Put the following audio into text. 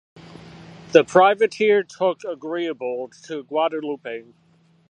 The privateer took "Agreeable" to Guadeloupe.